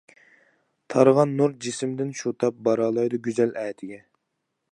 تارىغان نۇر جىسمىدىن شۇ تاپ، بارالايدۇ گۈزەل ئەتىگە.